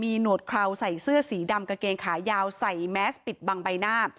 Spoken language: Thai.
หนวดเคราวใส่เสื้อสีดำกางเกงขายาวใส่แมสปิดบังใบหน้า